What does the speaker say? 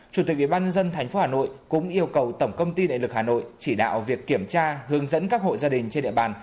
chủ tịch ubnd tp hà nội cũng yêu cầu tổng công ty đại lực hà nội chỉ đạo việc kiểm tra hướng dẫn các hộ gia đình trên địa bàn